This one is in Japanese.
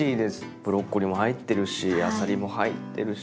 ブロッコリーも入ってるしあさりも入ってるし。